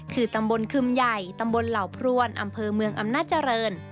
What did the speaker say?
คือตำบลคึมใหญ่ตำบลเหล่าพรวนอำเภอเมืองอำนาจริง